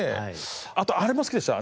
あとあれも好きでした。